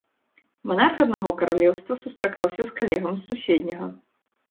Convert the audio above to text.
Манарх аднаго каралеўства сустракаўся з калегам з суседняга.